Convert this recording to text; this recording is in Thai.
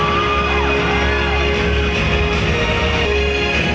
เมื่อเวลาอันดับสุดท้ายมันกลายเป้าหมายเป้าหมาย